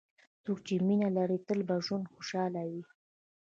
څوک چې مینه لري، تل په ژوند خوشحال وي.